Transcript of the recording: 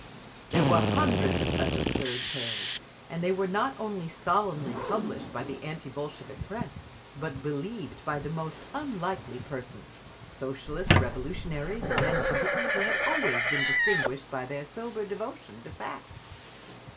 There were hundreds of such absurd tales, and they were not only solemnly published by the anti Bolshevik press, but believed by the most unlikely persons—Socialist Revolutionaries and Mensheviki who had always been distinguished by their sober devotion to facts….